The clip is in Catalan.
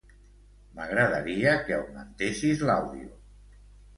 M'agradaria que augmentessis l'àudio.